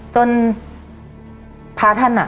จนพระท่าน